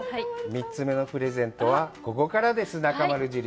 ３つ目のプレゼントは、ここからです、なかまる印。